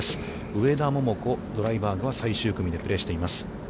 上田桃子、ドライバーグは最終組でプレーしています。